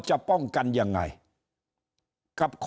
ถ้าท่านผู้ชมติดตามข่าวสาร